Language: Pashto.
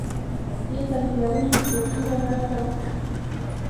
ې تمويلوونکي به څومره مرسته وکړي